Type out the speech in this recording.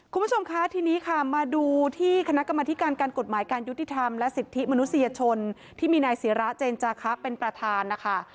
คุณผู้ชมคะทีนี้ค่ะมาดูที่คณะกรรมธิการการกฎหมายการยุติธรรมและสิทธิมนุษยชนที่มีนายศิราเจนจาคะเป็นประธานนะคะ